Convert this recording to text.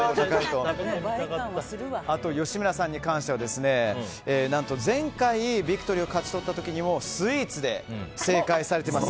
あと、吉村さんに関しては何と前回、ビクトリーを勝ち取った時にもスイーツで正解されてます。